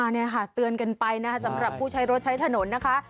นี่ค่ะเตือนกันไปนะคะสำหรับผู้ใช้รถใช้ถนนนะคะ